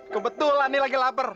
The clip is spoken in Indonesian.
kebetulan nih lagi lapar